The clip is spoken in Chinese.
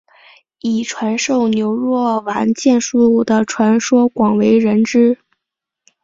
以传授牛若丸剑术的传说广为人知。